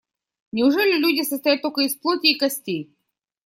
Неужели люди состоят только из плоти и костей?